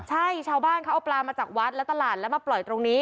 ใช่ชาวบ้านเขาเอาปลามาจากวัดและตลาดแล้วมาปล่อยตรงนี้